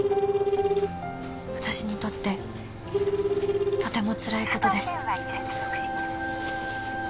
「私にとってとてもつらいことです」